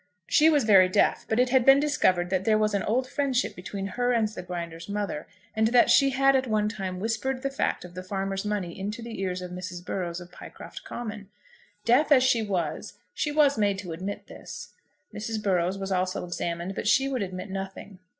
She was very deaf; but it had been discovered that there was an old friendship between her and the Grinder's mother, and that she had at one time whispered the fact of the farmer's money into the ears of Mrs. Burrows of Pycroft Common. Deaf as she was, she was made to admit this. Mrs. Burrows was also examined, but she would admit nothing.